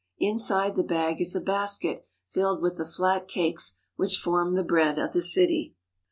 Inside the bag is a basket filled with the flat cakes which form the bread of the city.